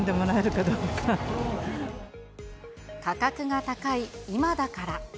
価格が高い今だから。